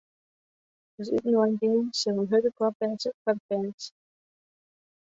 It útinoargean sil in hurde klap wêze foar de fans.